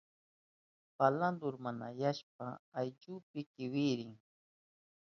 Palanta urmanayashpan ayllunpi kimirin.